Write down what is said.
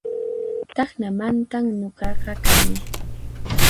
Tacnamantan nuqaqa kani